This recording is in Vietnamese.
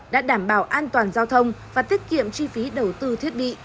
đã đảm bảo an toàn giao thông và tiết kiệm chi phí đầu tư thiết bị